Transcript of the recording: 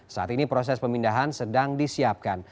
saat ini proses pemindahan sedang disiapkan